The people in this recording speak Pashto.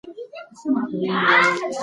حمزه شینواري ا و داسی نورو په مرسته پښتو ژبه